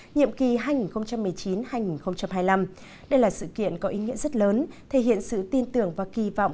nhiệm kỳ hai nghìn một mươi chín hai nghìn hai mươi năm đây là sự kiện có ý nghĩa rất lớn thể hiện sự tin tưởng và kỳ vọng